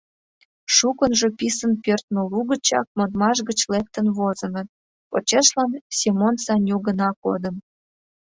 Шукынжо писын пӧрдмӧ лугычак модмаш гыч лектын возыныт, почешлан Семон Саню гына кодын.